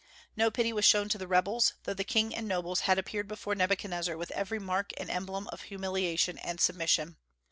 No pity was shown to the rebels, though the king and nobles had appeared before Nebuchadnezzar with every mark and emblem of humiliation and submission.